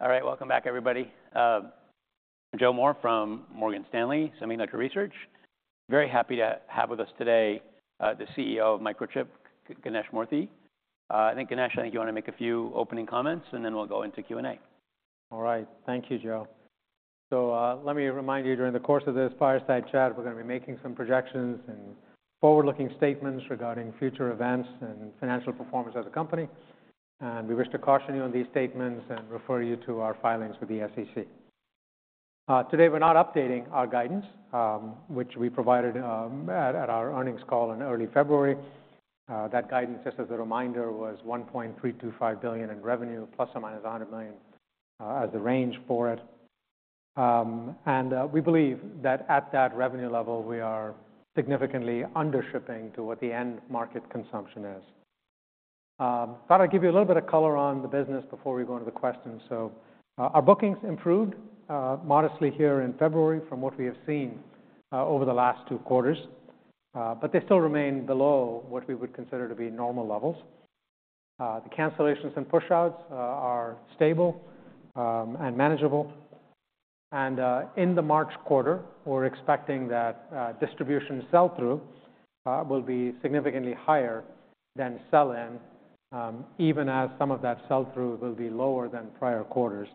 All right, welcome back, everybody. Joe Moore from Morgan Stanley, Semiconductor Research. Very happy to have with us today the CEO of Microchip, Ganesh Moorthy. I think, Ganesh, I think you want to make a few opening comments, and then we'll go into Q&A. All right, thank you, Joe. So let me remind you, during the course of this fireside chat, we're going to be making some projections and forward-looking statements regarding future events and financial performance of the company. And we wish to caution you on these statements and refer you to our filings with the SEC. Today we're not updating our guidance, which we provided at our earnings call in early February. That guidance, just as a reminder, was $1.325 billion in revenue, ±$100 million as the range for it. And we believe that at that revenue level, we are significantly under-shipping to what the end market consumption is. Thought I'd give you a little bit of color on the business before we go into the questions. Our bookings improved modestly here in February from what we have seen over the last two quarters, but they still remain below what we would consider to be normal levels. The cancellations and push-outs are stable and manageable. In the March quarter, we're expecting that distribution sell-through will be significantly higher than sell-in, even as some of that sell-through will be lower than prior quarters.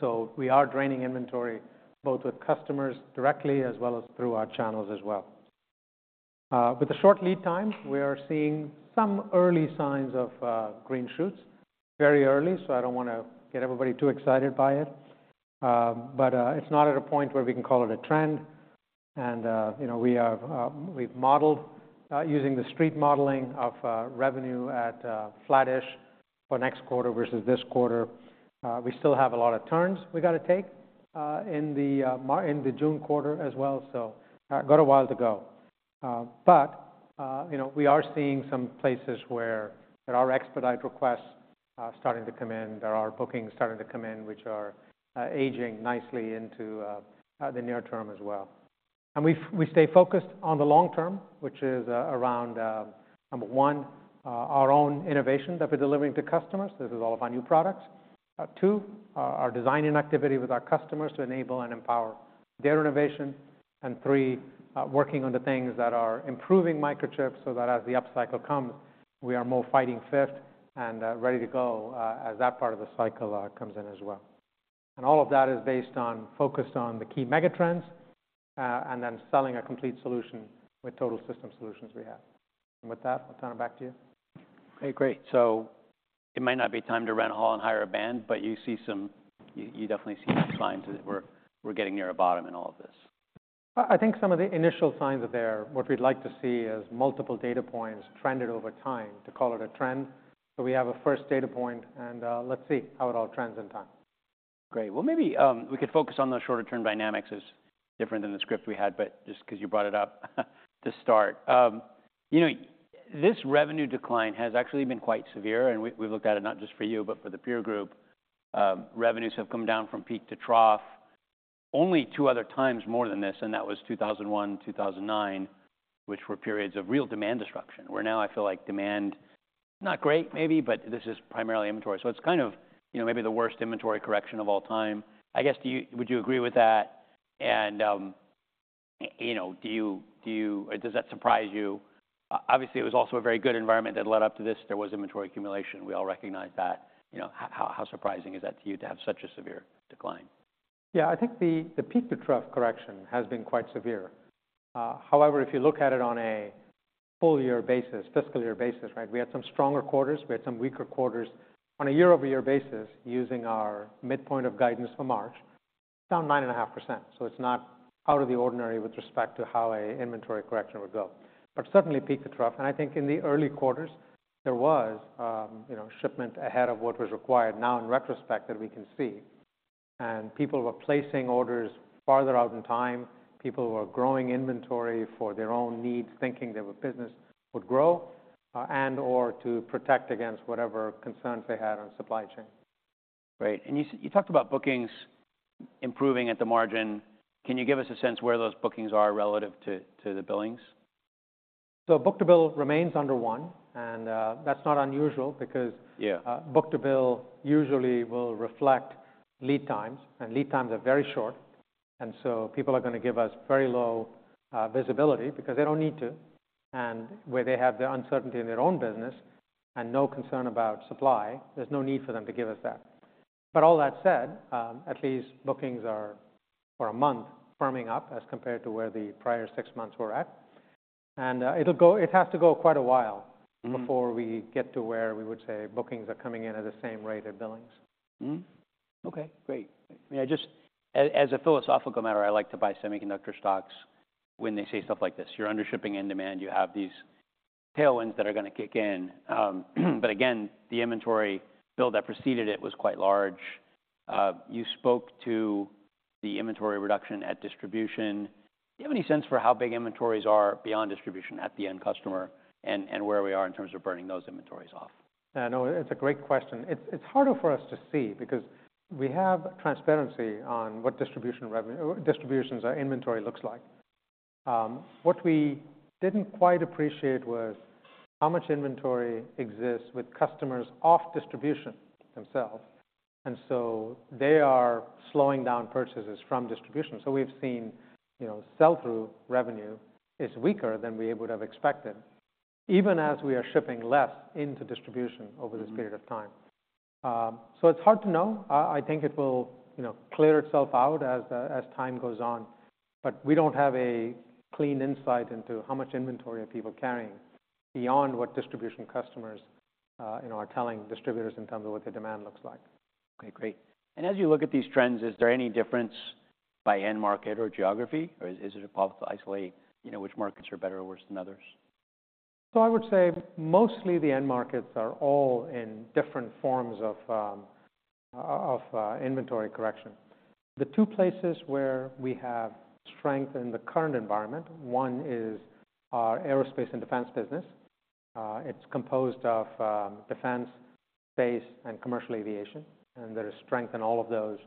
So we are draining inventory both with customers directly as well as through our channels as well. With the short lead time, we are seeing some early signs of green shoots, very early, so I don't want to get everybody too excited by it. But it's not at a point where we can call it a trend. We have modeled using the Street modeling of revenue at flat-ish for next quarter versus this quarter. We still have a lot of turns we've got to take in the June quarter as well, so we've got a while to go. But we are seeing some places where our expedite requests are starting to come in; there are bookings starting to come in which are aging nicely into the near term as well. And we stay focused on the long term, which is around, number one, our own innovation that we're delivering to customers. This is all of our new products. Two, our design activity with our customers to enable and empower their innovation. And three, working on the things that are improving Microchip so that as the upcycle comes, we are more fighting fit and ready to go as that part of the cycle comes in as well. All of that is based on, focused on the key Megatrends and then selling a complete solution with Total System Solutions we have. And with that, I'll turn it back to you. Hey, great. So it might not be time to rent a hall and hire a band, but you definitely see signs that we're getting near a bottom in all of this. I think some of the initial signs are there. What we'd like to see is multiple data points trended over time, to call it a trend. So we have a first data point, and let's see how it all trends in time. Great. Well, maybe we could focus on the shorter-term dynamics as different than the script we had, but just because you brought it up to start. This revenue decline has actually been quite severe, and we've looked at it not just for you but for the peer group. Revenues have come down from peak to trough only two other times more than this, and that was 2001, 2009, which were periods of real demand destruction, where now I feel like demand not great, maybe, but this is primarily inventory. So it's kind of maybe the worst inventory correction of all time. I guess, would you agree with that? And do you does that surprise you? Obviously, it was also a very good environment that led up to this. There was inventory accumulation. We all recognize that. How surprising is that to you to have such a severe decline? Yeah, I think the peak-to-trough correction has been quite severe. However, if you look at it on a full-year basis, fiscal year basis, right, we had some stronger quarters, we had some weaker quarters. On a year-over-year basis, using our midpoint of guidance for March, down 9.5%. So it's not out of the ordinary with respect to how an inventory correction would go. But certainly peak-to-trough. And I think in the early quarters, there was shipment ahead of what was required now in retrospect that we can see. And people were placing orders farther out in time. People were growing inventory for their own needs, thinking their business would grow and/or to protect against whatever concerns they had on supply chain. Great. And you talked about bookings improving at the margin. Can you give us a sense where those bookings are relative to the billings? So book-to-bill remains under one, and that's not unusual because book-to-bill usually will reflect lead times, and lead times are very short. And so people are going to give us very low visibility because they don't need to. And where they have the uncertainty in their own business and no concern about supply, there's no need for them to give us that. But all that said, at least bookings are for a month firming up as compared to where the prior six months were at. And it has to go quite a while before we get to where we would say bookings are coming in at the same rate as billings. OK, great. I mean, I just as a philosophical matter, I like to buy semiconductor stocks when they say stuff like this. You're under-shipping demand. You have these tailwinds that are going to kick in. But again, the inventory build that preceded it was quite large. You spoke to the inventory reduction at distribution. Do you have any sense for how big inventories are beyond distribution at the end customer and where we are in terms of burning those inventories off? Yeah, no, it's a great question. It's harder for us to see because we have transparency on what distribution revenue distributions or inventory looks like. What we didn't quite appreciate was how much inventory exists with customers off distribution themselves. And so they are slowing down purchases from distribution. So we've seen sell-through revenue is weaker than we would have expected, even as we are shipping less into distribution over this period of time. So it's hard to know. I think it will clear itself out as time goes on. But we don't have a clean insight into how much inventory are people carrying beyond what distribution customers are telling distributors in terms of what their demand looks like. OK, great. As you look at these trends, is there any difference by end market or geography? Or is it a problem to isolate which markets are better or worse than others? So I would say mostly the end markets are all in different forms of inventory correction. The two places where we have strength in the current environment, one is our aerospace and defense business. It's composed of defense, space, and commercial aviation. And there is strength in all of those.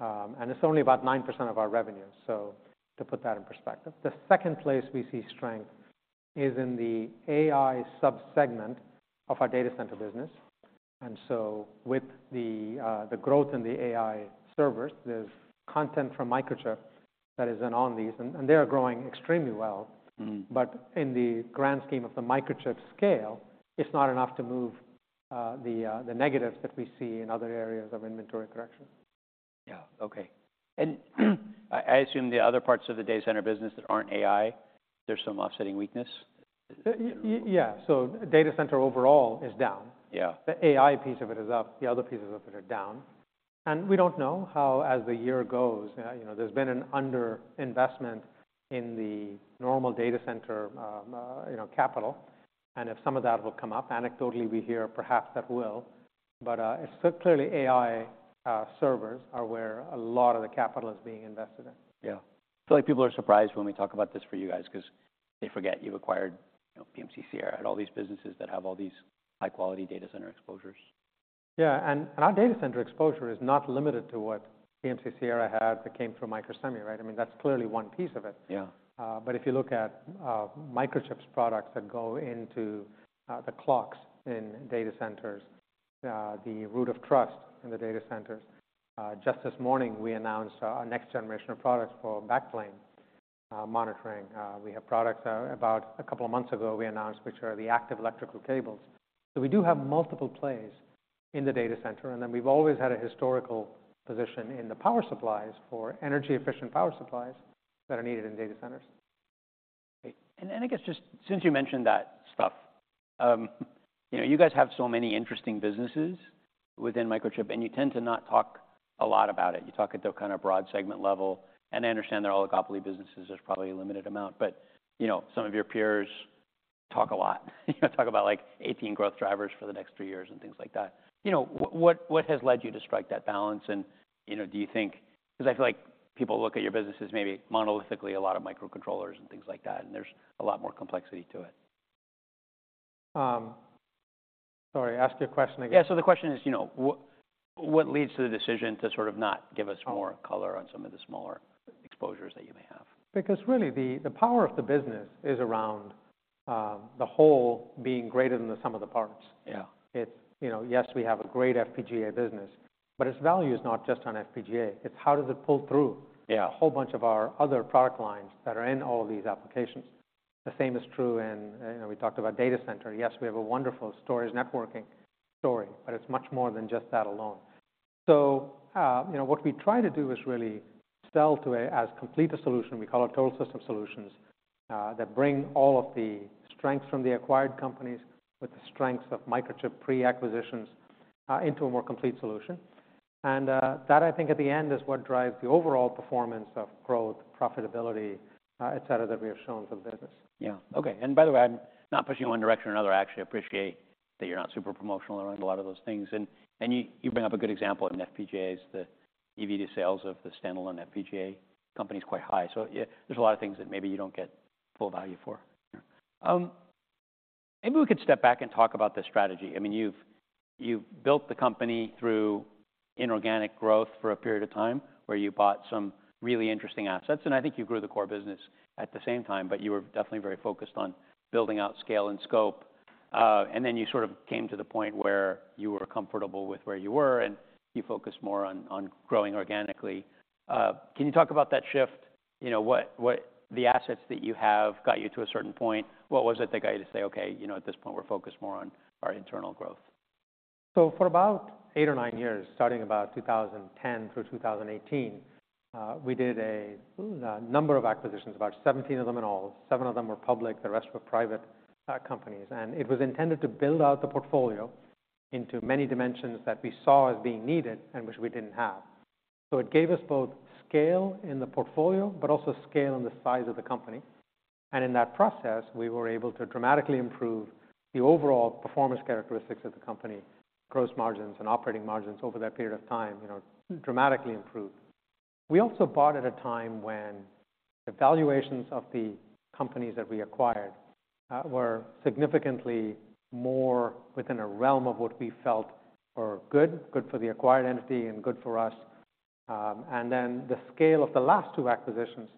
And it's only about 9% of our revenue, so to put that in perspective. The second place we see strength is in the AI subsegment of our data center business. And so with the growth in the AI servers, there's content from Microchip that is in on these, and they are growing extremely well. But in the grand scheme of the Microchip scale, it's not enough to move the negatives that we see in other areas of inventory correction. Yeah, OK. I assume the other parts of the data center business that aren't AI, there's some offsetting weakness? Yeah, so data center overall is down. The AI piece of it is up. The other pieces of it are down. And we don't know how as the year goes. There's been an underinvestment in the normal data center capital. And if some of that will come up, anecdotally we hear perhaps that will. But it's clearly AI servers are where a lot of the capital is being invested in. Yeah. I feel like people are surprised when we talk about this for you guys because they forget you've acquired PMC-Sierra at all these businesses that have all these high-quality data center exposures. Yeah, and our data center exposure is not limited to what PMC-Sierra had that came through Microsemi, right? I mean, that's clearly one piece of it. But if you look at Microchip products that go into the clocks in data centers, the root of trust in the data centers, just this morning we announced our next generation of products for backplane monitoring. We have products about a couple of months ago we announced which are the active electrical cables. So we do have multiple plays in the data center. And then we've always had a historical position in the power supplies for energy-efficient power supplies that are needed in data centers. I guess just since you mentioned that stuff, you guys have so many interesting businesses within Microchip, and you tend to not talk a lot about it. You talk at the kind of broad segment level. I understand they're oligopoly businesses. There's probably a limited amount. But some of your peers talk a lot. Talk about like 18 growth drivers for the next three years and things like that. What has led you to strike that balance? Do you think because I feel like people look at your businesses maybe monolithically, a lot of microcontrollers and things like that, and there's a lot more complexity to it. Sorry, ask your question again. Yeah, so the question is, what leads to the decision to sort of not give us more color on some of the smaller exposures that you may have? Because really, the power of the business is around the whole being greater than the sum of the parts. Yeah, it's yes, we have a great FPGA business, but its value is not just on FPGA. It's how does it pull through a whole bunch of our other product lines that are in all of these applications. The same is true in we talked about data center. Yes, we have a wonderful storage networking story, but it's much more than just that alone. So what we try to do is really sell to as complete a solution. We call it Total System Solutions that bring all of the strengths from the acquired companies with the strengths of Microchip pre-acquisitions into a more complete solution. And that, I think, at the end is what drives the overall performance of growth, profitability, et cetera, that we have shown for the business. Yeah, OK. By the way, I'm not pushing you one direction or another. I actually appreciate that you're not super promotional around a lot of those things. You bring up a good example in FPGAs. The EV/sales of the standalone FPGA company is quite high. So there's a lot of things that maybe you don't get full value for. Maybe we could step back and talk about the strategy. I mean, you've built the company through inorganic growth for a period of time where you bought some really interesting assets. I think you grew the core business at the same time, but you were definitely very focused on building out scale and scope. Then you sort of came to the point where you were comfortable with where you were, and you focused more on growing organically. Can you talk about that shift? What the assets that you have got you to a certain point, what was it that got you to say, OK, at this point we're focused more on our internal growth? For about 8 years or 9 years, starting about 2010 through 2018, we did a number of acquisitions, about 17 of them in all. 7 of them were public. The rest were private companies. It was intended to build out the portfolio into many dimensions that we saw as being needed and which we didn't have. It gave us both scale in the portfolio but also scale in the size of the company. In that process, we were able to dramatically improve the overall performance characteristics of the company, gross margins and operating margins over that period of time, dramatically improved. We also bought at a time when the valuations of the companies that we acquired were significantly more within a realm of what we felt were good, good for the acquired entity and good for us. And then the scale of the last two acquisitions,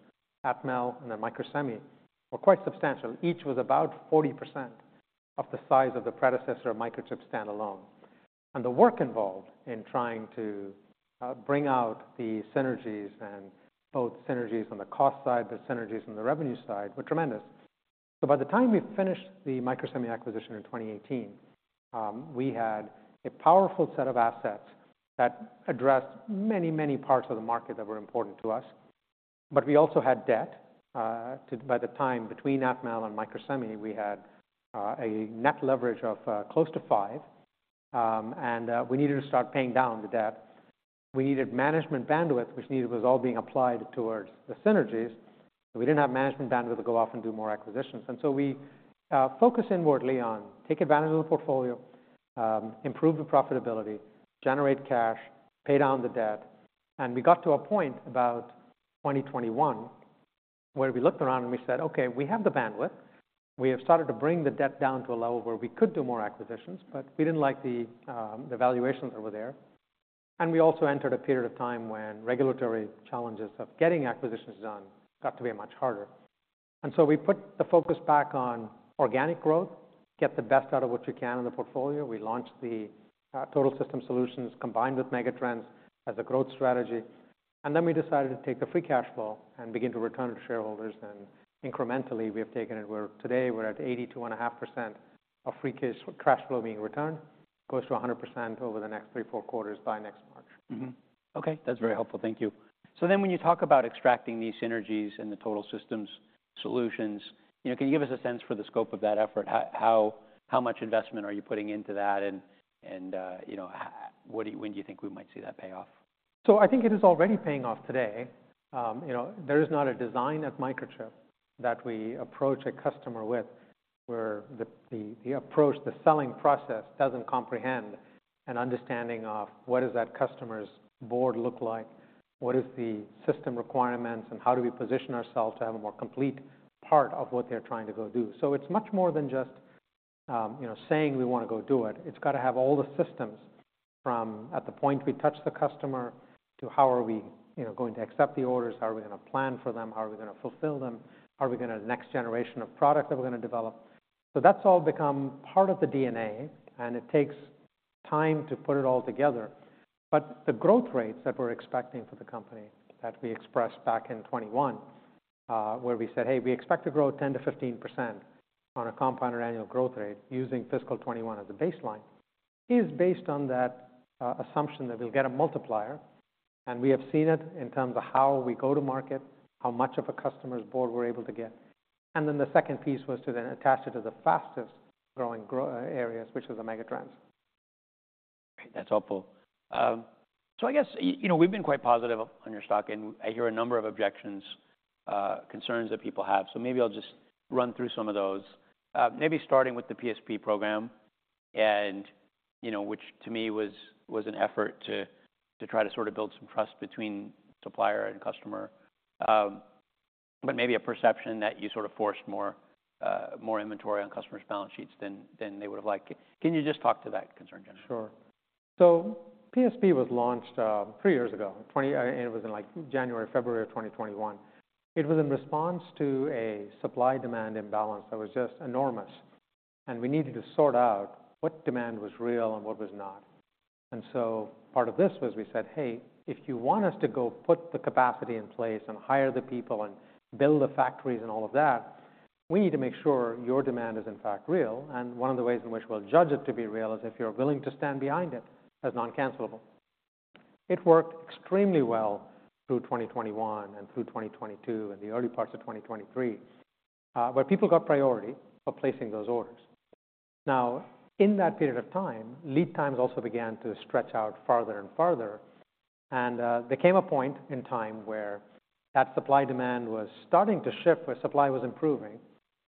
Atmel and then Microsemi, were quite substantial. Each was about 40% of the size of the predecessor Microchip standalone. And the work involved in trying to bring out the synergies and both synergies on the cost side but synergies on the revenue side were tremendous. So by the time we finished the Microsemi acquisition in 2018, we had a powerful set of assets that addressed many, many parts of the market that were important to us. But we also had debt. By the time between Atmel and Microsemi, we had a net leverage of close to 5. And we needed to start paying down the debt. We needed management bandwidth, which needed was all being applied towards the synergies. We didn't have management bandwidth to go off and do more acquisitions. And so we focused inwardly on take advantage of the portfolio, improve the profitability, generate cash, pay down the debt. We got to a point about 2021 where we looked around and we said, OK, we have the bandwidth. We have started to bring the debt down to a level where we could do more acquisitions, but we didn't like the valuations that were there. So we put the focus back on organic growth, get the best out of what you can in the portfolio. We launched the Total System Solutions combined with Megatrends as a growth strategy. Then we decided to take the free cash flow and begin to return it to shareholders. Incrementally, we have taken it where today we're at 82.5% of free cash flow being returned. Goes to 100% over the next 3 quarter, 4 quarters by next March. OK, that's very helpful. Thank you. So then when you talk about extracting these synergies and the total systems solutions, can you give us a sense for the scope of that effort? How much investment are you putting into that? And when do you think we might see that pay off? So I think it is already paying off today. There is not a design at Microchip that we approach a customer with where the approach, the selling process, doesn't comprehend an understanding of what does that customer's board look like, what is the system requirements, and how do we position ourselves to have a more complete part of what they're trying to go do. So it's much more than just saying we want to go do it. It's got to have all the systems from at the point we touch the customer to how are we going to accept the orders, how are we going to plan for them, how are we going to fulfill them, how are we going to next generation of product that we're going to develop. So that's all become part of the DNA, and it takes time to put it all together. But the growth rates that we're expecting for the company that we expressed back in 2021 where we said, hey, we expect to grow 10%-15% on a compounded annual growth rate using fiscal 2021 as a baseline is based on that assumption that we'll get a multiplier. And we have seen it in terms of how we go to market, how much of a customer's board we're able to get. And then the second piece was to then attach it to the fastest growing areas, which is the Megatrends. That's helpful. So I guess we've been quite positive on your stock. And I hear a number of objections, concerns that people have. So maybe I'll just run through some of those, maybe starting with the PSP program, which to me was an effort to try to sort of build some trust between supplier and customer, but maybe a perception that you sort of forced more inventory on customers' balance sheets than they would have liked. Can you just talk to that concern? Sure. So PSP was launched three years ago, and it was in like January, February of 2021. It was in response to a supply-demand imbalance that was just enormous. And we needed to sort out what demand was real and what was not. And so part of this was we said, hey, if you want us to go put the capacity in place and hire the people and build the factories and all of that, we need to make sure your demand is in fact real. And one of the ways in which we'll judge it to be real is if you're willing to stand behind it as noncancelable. It worked extremely well through 2021 and through 2022 and the early parts of 2023 where people got priority for placing those orders. Now, in that period of time, lead times also began to stretch out farther and farther. There came a point in time where that supply-demand was starting to shift, where supply was improving.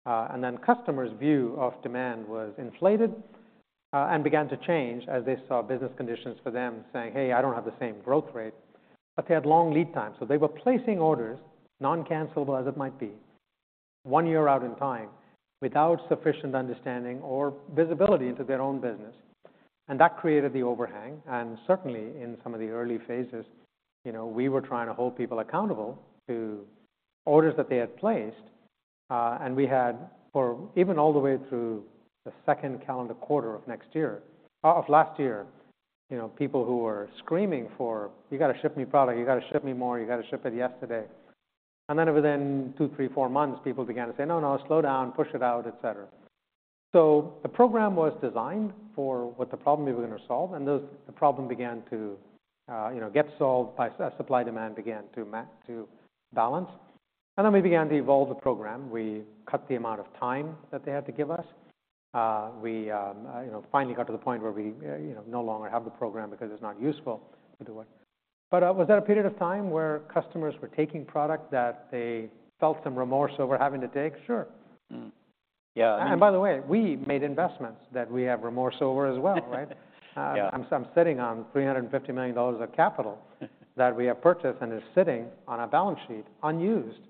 Then customers' view of demand was inflated and began to change as they saw business conditions for them saying, hey, I don't have the same growth rate. But they had long lead times. So they were placing orders non-cancellable as it might be, one year out in time without sufficient understanding or visibility into their own business. And that created the overhang. And certainly, in some of the early phases, we were trying to hold people accountable to orders that they had placed. And we had, for even all the way through the second calendar quarter of next year of last year, people who were screaming for, you got to ship me product. You got to ship me more. You got to ship it yesterday. Then within 2 months, 3 months, 4 months, people began to say, no, no, slow down, push it out, et cetera. The program was designed for what the problem we were going to solve. And the problem began to get solved by supply-demand began to balance. And then we began to evolve the program. We cut the amount of time that they had to give us. We finally got to the point where we no longer have the program because it's not useful to do it. But was that a period of time where customers were taking product that they felt some remorse over having to take? Sure. And by the way, we made investments that we have remorse over as well, right? I'm sitting on $350 million of capital that we have purchased and is sitting on our balance sheet unused.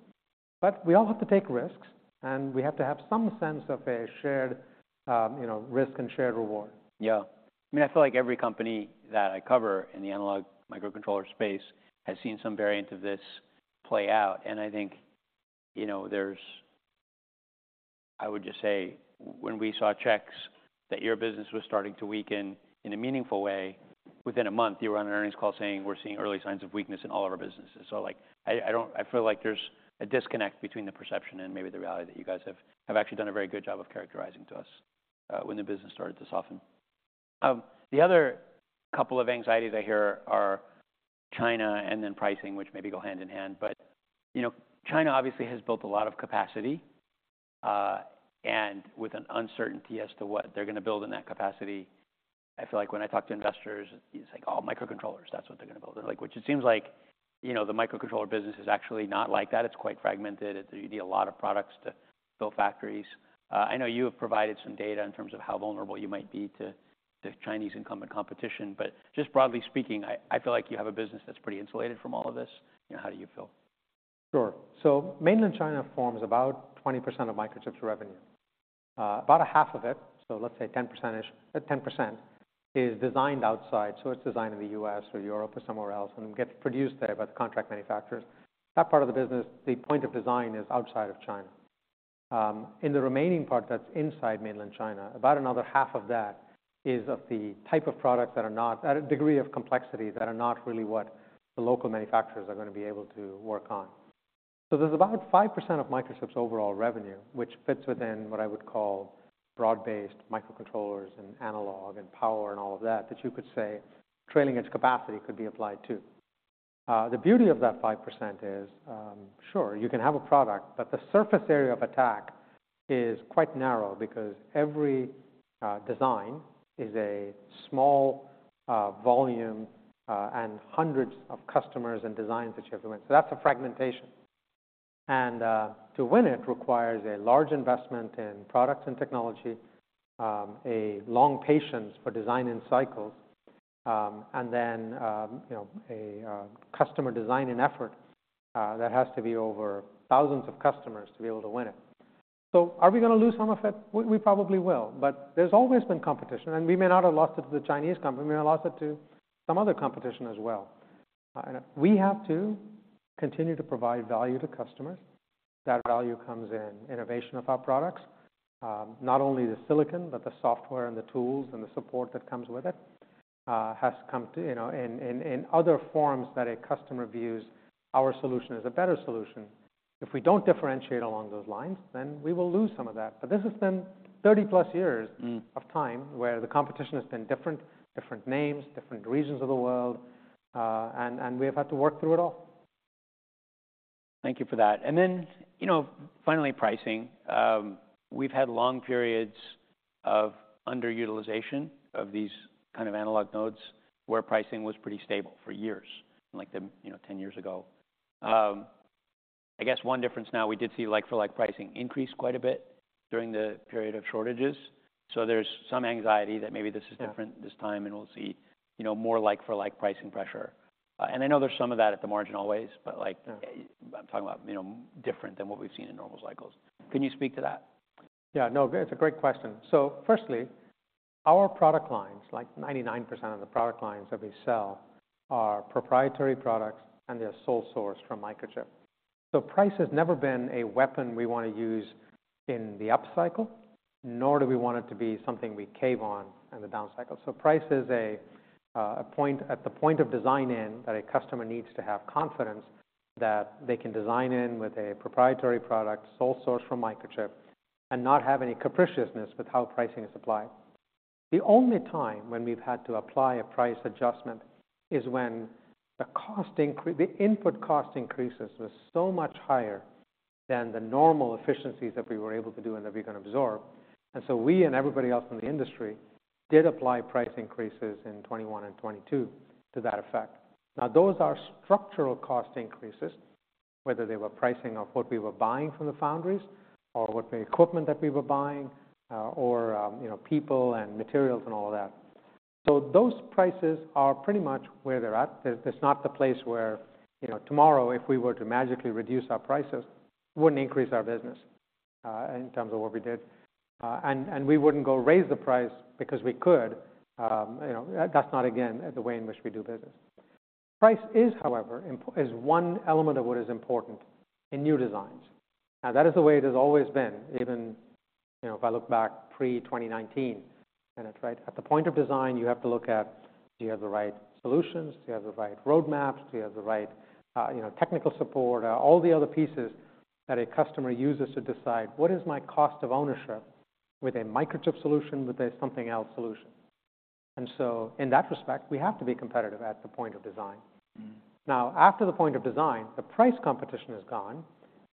But we all have to take risks, and we have to have some sense of a shared risk and shared reward. Yeah. I mean, I feel like every company that I cover in the analog microcontroller space has seen some variant of this play out. And I think I would just say when we saw checks that your business was starting to weaken in a meaningful way, within a month, you were on an earnings call saying, "We're seeing early signs of weakness in all of our businesses." So I feel like there's a disconnect between the perception and maybe the reality that you guys have actually done a very good job of characterizing to us when the business started to soften. The other couple of anxieties I hear are China and then pricing, which maybe go hand in hand. But China obviously has built a lot of capacity. With an uncertainty as to what they're going to build in that capacity, I feel like when I talk to investors, it's like, oh, microcontrollers. That's what they're going to build. Which it seems like the microcontroller business is actually not like that. It's quite fragmented. You need a lot of products to build factories. I know you have provided some data in terms of how vulnerable you might be to Chinese incumbent competition. But just broadly speaking, I feel like you have a business that's pretty insulated from all of this. How do you feel? Sure. So mainland China forms about 20% of Microchip's revenue. About half of it, so let's say 10%-ish, 10% is designed outside. So it's designed in the U.S. or Europe or somewhere else and gets produced there by the contract manufacturers. That part of the business, the point of design is outside of China. In the remaining part that's inside mainland China, about another half of that is of the type of products that are not at a degree of complexity that are not really what the local manufacturers are going to be able to work on. So there's about 5% of Microchip's overall revenue, which fits within what I would call broad-based microcontrollers and analog and power and all of that that you could say trailing-edge capacity could be applied to. The beauty of that 5% is, sure, you can have a product, but the surface area of attack is quite narrow because every design is a small volume and hundreds of customers and designs that you have to win. So that's a fragmentation. And to win it requires a large investment in products and technology, a long patience for design-in cycles, and then a customer design-in effort that has to be over thousands of customers to be able to win it. So are we going to lose some of it? We probably will. But there's always been competition. And we may not have lost it to the Chinese company. We may have lost it to some other competition as well. We have to continue to provide value to customers. That value comes in innovation of our products, not only the silicon, but the software and the tools and the support that comes with it has come in other forms that a customer views our solution as a better solution. If we don't differentiate along those lines, then we will lose some of that. But this has been 30+ years of time where the competition has been different, different names, different regions of the world. And we have had to work through it all. Thank you for that. Then finally, pricing. We've had long periods of underutilization of these kind of analog nodes where pricing was pretty stable for years, like 10 years ago. I guess one difference now, we did see like-for-like pricing increase quite a bit during the period of shortages. There's some anxiety that maybe this is different this time, and we'll see more like-for-like pricing pressure. I know there's some of that at the margin always, but I'm talking about different than what we've seen in normal cycles. Can you speak to that? Yeah. No, it's a great question. So firstly, our product lines, like 99% of the product lines that we sell, are proprietary products, and they are sole source from Microchip. So price has never been a weapon we want to use in the upcycle, nor do we want it to be something we cave on in the downcycle. So price is a point at the point of design in that a customer needs to have confidence that they can design in with a proprietary product, sole source from Microchip, and not have any capriciousness with how pricing is applied. The only time when we've had to apply a price adjustment is when the cost input cost increases was so much higher than the normal efficiencies that we were able to do and that we can absorb. And so we and everybody else in the industry did apply price increases in 2021 and 2022 to that effect. Now, those are structural cost increases, whether they were pricing of what we were buying from the foundries or what equipment that we were buying or people and materials and all of that. So those prices are pretty much where they're at. It's not the place where tomorrow, if we were to magically reduce our prices, wouldn't increase our business in terms of what we did. And we wouldn't go raise the price because we could. That's not, again, the way in which we do business. Price is, however, one element of what is important in new designs. Now, that is the way it has always been, even if I look back pre-2019. At the point of design, you have to look at, do you have the right solutions? Do you have the right roadmaps? Do you have the right technical support? All the other pieces that a customer uses to decide, what is my cost of ownership with a Microchip solution versus something else's solution? And so in that respect, we have to be competitive at the point of design. Now, after the point of design, the price competition is gone.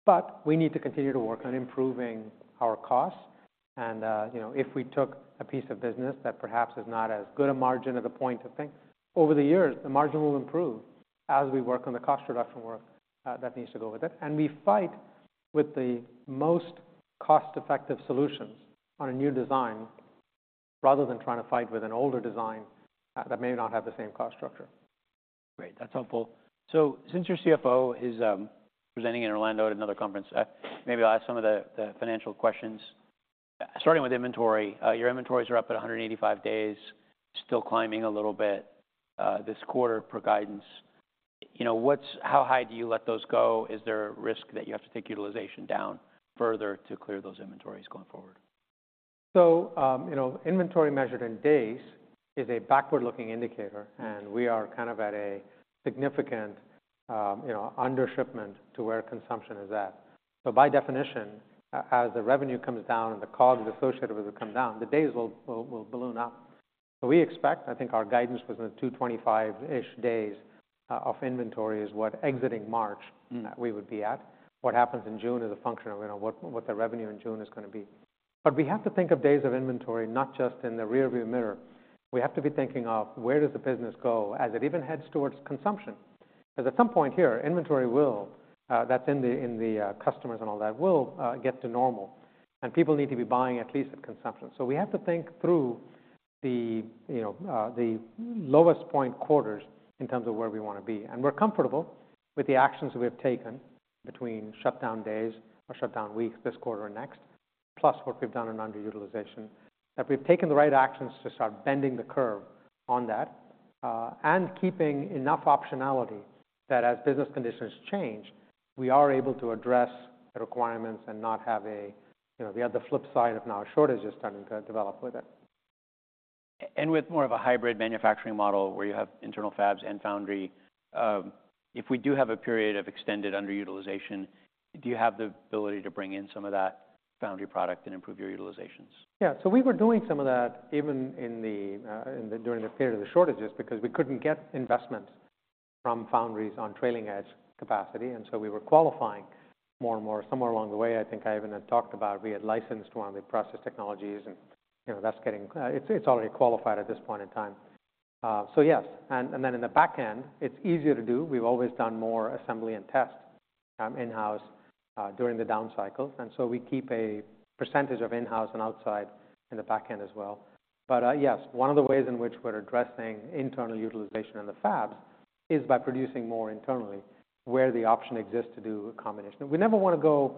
But we need to continue to work on improving our costs. And if we took a piece of business that perhaps is not as good a margin at the point in time, over the years, the margin will improve as we work on the cost reduction work that needs to go with it. And we fight with the most cost-effective solutions on a new design rather than trying to fight with an older design that may not have the same cost structure. Great. That's helpful. So since your CFO is presenting in Orlando at another conference, maybe I'll ask some of the financial questions. Starting with inventory, your inventories are up at 185 days, still climbing a little bit this quarter per guidance. How high do you let those go? Is there a risk that you have to take utilization down further to clear those inventories going forward? Inventory measured in days is a backward-looking indicator. We are kind of at a significant under-shipment to where consumption is at. By definition, as the revenue comes down and the COGS associated with it come down, the days will balloon up. We expect, I think our guidance was in the 225-ish days of inventory, is what exiting March we would be at. What happens in June is a function of what the revenue in June is going to be. We have to think of days of inventory not just in the rearview mirror. We have to be thinking of, where does the business go as it even heads towards consumption? Because at some point here, inventory, that's in the customers, and all that will get to normal. People need to be buying at least at consumption. So we have to think through the lowest point quarters in terms of where we want to be. We're comfortable with the actions we have taken between shutdown days or shutdown weeks this quarter or next, plus what we've done in underutilization, that we've taken the right actions to start bending the curve on that and keeping enough optionality that as business conditions change, we are able to address the requirements and not have the other flip side of now shortages starting to develop with it. With more of a hybrid manufacturing model where you have internal fabs and foundry, if we do have a period of extended underutilization, do you have the ability to bring in some of that foundry product and improve your utilizations? Yeah. So we were doing some of that even during the period of the shortages because we couldn't get investment from foundries on trailing-edge capacity. And so we were qualifying more and more. Somewhere along the way, I think I even had talked about we had licensed one of the process technologies. And that's getting. It's already qualified at this point in time. So yes. And then in the back end, it's easier to do. We've always done more assembly and test in-house during the downcycle. And so we keep a percentage of in-house and outside in the back end as well. But yes, one of the ways in which we're addressing internal utilization in the fabs is by producing more internally, where the option exists to do a combination. We never want to go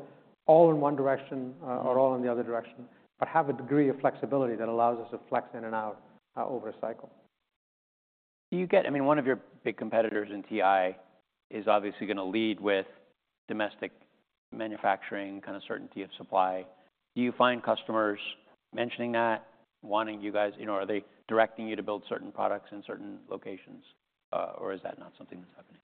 all in one direction or all in the other direction, but have a degree of flexibility that allows us to flex in and out over a cycle. I mean, one of your big competitors in TI is obviously going to lead with domestic manufacturing kind of certainty of supply. Do you find customers mentioning that, wanting you guys are they directing you to build certain products in certain locations, or is that not something that's happening?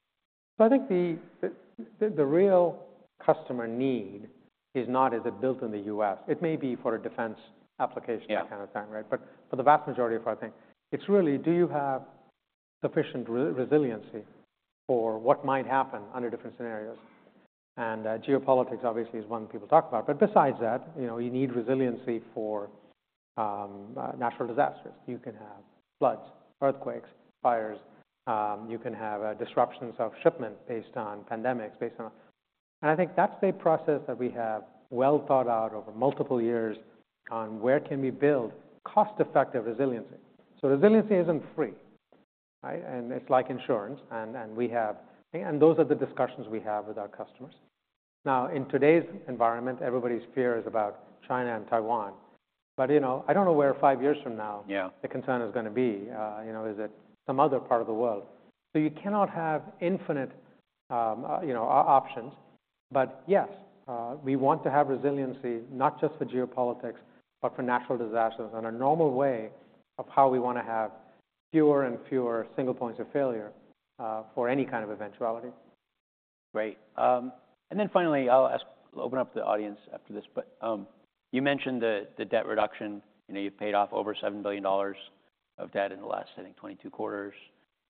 So I think the real customer need is not just built in the U.S.. It may be for a defense application, that kind of thing, right? But for the vast majority of our thing, it's really, do you have sufficient resiliency for what might happen under different scenarios? And geopolitics obviously is one people talk about. But besides that, you need resiliency for natural disasters. You can have floods, earthquakes, fires. You can have disruptions of shipment based on pandemics, based on, and I think that's a process that we have well thought out over multiple years on where can we build cost-effective resiliency. So resiliency isn't free. And it's like insurance. And those are the discussions we have with our customers. Now, in today's environment, everybody's fear is about China and Taiwan. But I don't know where five years from now the concern is going to be. Is it some other part of the world? So you cannot have infinite options. But yes, we want to have resiliency not just for geopolitics, but for natural disasters and a normal way of how we want to have fewer and fewer single points of failure for any kind of eventuality. Great. And then finally, I'll open up the audience after this. But you mentioned the debt reduction. You've paid off over $7 billion of debt in the last, I think, 22 quarters.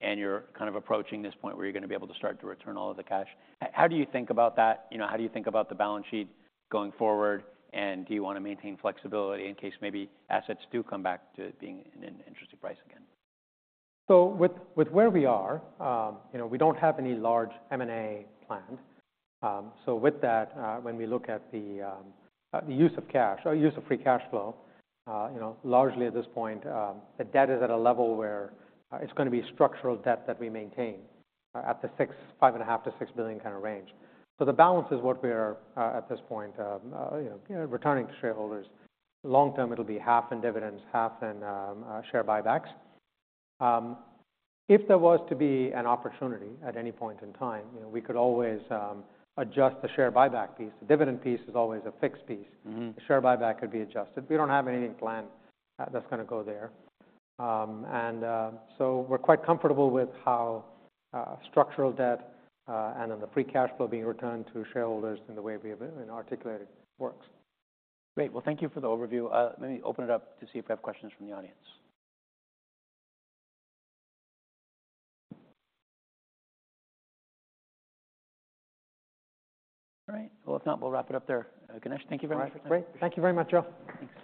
And you're kind of approaching this point where you're going to be able to start to return all of the cash. How do you think about that? How do you think about the balance sheet going forward? And do you want to maintain flexibility in case maybe assets do come back to being at an interesting price again? So with where we are, we don't have any large M&A planned. So with that, when we look at the use of cash, use of free cash flow, largely at this point, the debt is at a level where it's going to be structural debt that we maintain at the $5.5-$6 billion kind of range. So the balance is what we are at this point returning to shareholders. Long term, it'll be half in dividends, half in share buybacks. If there was to be an opportunity at any point in time, we could always adjust the share buyback piece. The dividend piece is always a fixed piece. The share buyback could be adjusted. We don't have anything planned that's going to go there. And so we're quite comfortable with how structural debt and then the free cash flow being returned to shareholders in the way we have articulated works. Great. Well, thank you for the overview. Let me open it up to see if we have questions from the audience. All right. Well, if not, we'll wrap it up there. Ganesh, thank you very much for tonight. Thank you very much, Joe. Thanks.